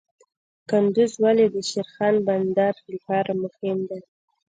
کندز ولې د شیرخان بندر لپاره مهم دی؟